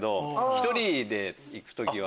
１人で行く時は。